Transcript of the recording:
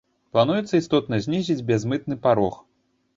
Плануецца істотна знізіць бязмытны парог.